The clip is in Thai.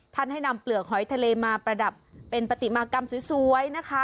ให้นำเปลือกหอยทะเลมาประดับเป็นปฏิมากรรมสวยนะคะ